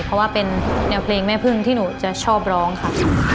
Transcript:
เพราะว่าเป็นแนวเพลงแม่พึ่งที่หนูจะชอบร้องค่ะ